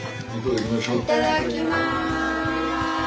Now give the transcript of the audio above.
いただきます。